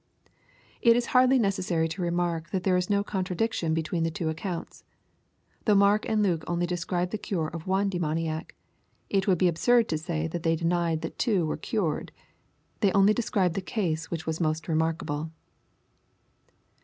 It is hardly necessary to remark that there is no contradiction between the two accounts. Though Mark and Luke only describe the cure of one demoniac, it would be absurd to say that they denied that two were cured. They only describe the case which was most remarkable.